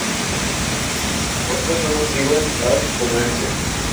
Otras son nocivas al comerse.